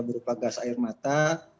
berupa gas air mata